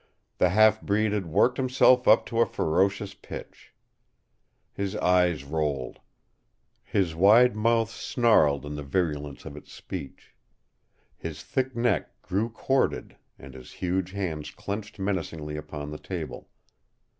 The half breed had worked himself up to a ferocious pitch. His eyes rolled. His wide mouth snarled in the virulence of its speech. His thick neck grew corded, and his huge hands clenched menacingly upon the table.